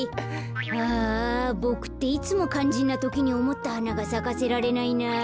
ああボクっていつもかんじんなときにおもったはながさかせられないな。